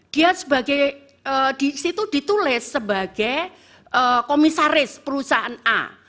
dia sebagai di situ ditulis sebagai komisaris perusahaan a